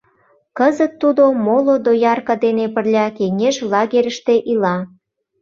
Кызыт тудо моло доярка дене пырля кеҥеж лагерьыште ила.